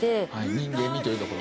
人間味というところ？